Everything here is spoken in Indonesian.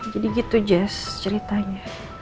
jadi gitu jess ceritanya